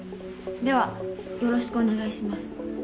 ではよろしくお願いします。